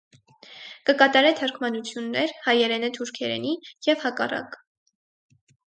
Կը կատարէ թարգմանութիւններ՝ հայերէնէ թրքերէնի եւ հակառակը։